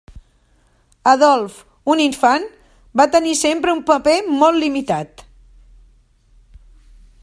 Adolf, un infant, va tenir sempre un paper molt limitat.